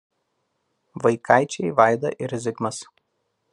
Vaikaičiai Vaida ir Zigmas.